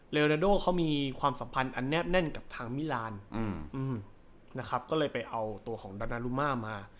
นาโดเขามีความสัมพันธ์อันแนบแน่นกับทางมิลานนะครับก็เลยไปเอาตัวของดานารุมามา